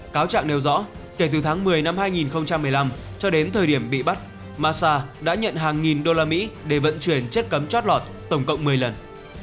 cáo trạng nêu rõ kể từ tháng một mươi năm hai nghìn một mươi năm cho đến thời điểm bị bắt masa đã nhận hàng nghìn đô la mỹ để vận chuyển chất cấm trót lọt tổng cộng một mươi lần